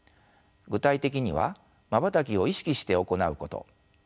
具体的にはまばたきを意識して行うこと